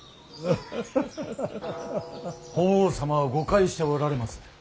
法皇様は誤解しておられます。